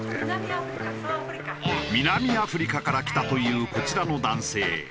南アフリカから来たというこちらの男性。